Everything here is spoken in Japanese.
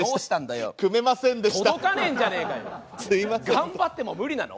頑張っても無理なの？